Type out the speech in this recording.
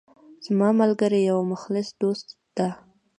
زما ملګری یو مخلص دوست ده